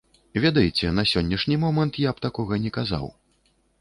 Ведаеце, на сённяшні момант я б такога не казаў.